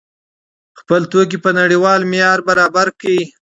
خپل توکي په نړیوال معیار برابر کړئ.